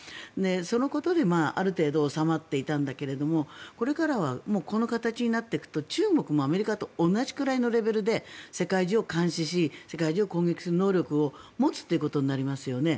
そのことである程度、収まっていたんだけどこれからはこの形になっていくと中国もアメリカと同じくらいのレベルで世界中を監視し世界中を攻撃する能力を持つということになりますよね。